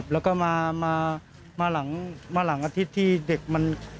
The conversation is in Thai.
แล้วก็มาหลังอาทิตย์ที่เด็กมัน